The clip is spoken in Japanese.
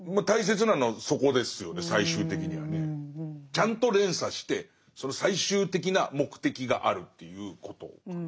ちゃんと連鎖して最終的な目的があるということかな。